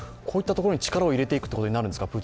こういったところに力を入れていくということになるんですか？